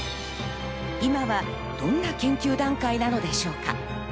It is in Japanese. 今はどんな研究段階なんでしょうか。